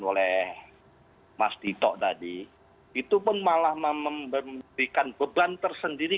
ini adalah prototipe dari